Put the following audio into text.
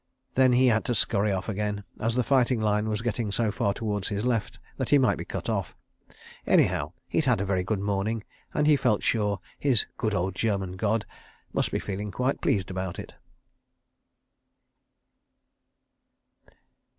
... Then he had to scurry off again, as the fighting line was getting so far towards his left that he might be cut off. ... Anyhow he'd had a very good morning and felt sure his "good old German God" must be feeling quite pleased about it.